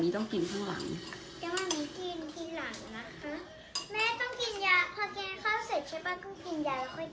ไม่ใช่อันนี้ยาแก้ปวด